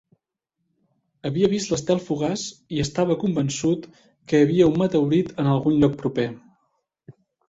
Havia vist l'estel fugaç i estava convençut que hi havia un meteorit en algun lloc proper.